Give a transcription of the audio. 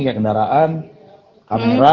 kaya kendaraan kamera